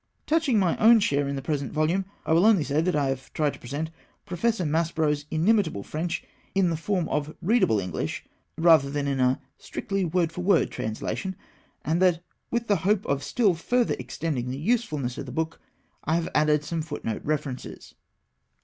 Touching my own share in the present volume, I will only say that I have tried to present Professor Maspero's inimitable French in the form of readable English, rather than in a strictly word for word translation; and that with the hope of still further extending the usefulness of the book, I have added some foot note references.